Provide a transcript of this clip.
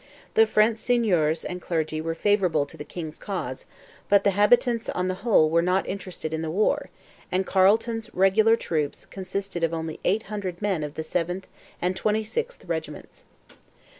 The French seigneurs and clergy were favourable to the king's cause, but the habitants on the whole were not interested in the war, and Carleton's regular troops consisted of only eight hundred men of the Seventh and Twenty Sixth regiments.